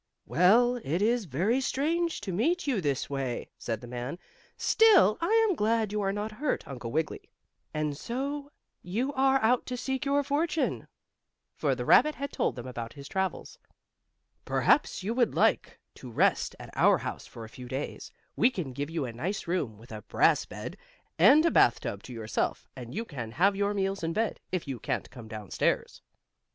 "Well, it is very strange to meet you this way," said the man. "Still, I am glad you are not hurt, Uncle Wiggily. And so you are out seeking your fortune," for the rabbit had told them about his travels. "Perhaps you would like to rest at our house for a few days. We can give you a nice room, with a brass bed, and a bath tub to yourself, and you can have your meals in bed, if you can't come down stairs."